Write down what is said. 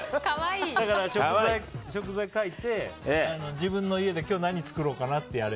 だから、食材を書いて自分の家で今日何作ろうかな？